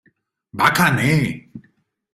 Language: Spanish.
Baka ne!